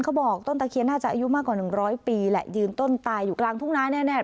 ต้นตะเคียนน่าจะอายุมากกว่า๑๐๐ปีแหละยืนต้นตายอยู่กลางทุ่งนาแน่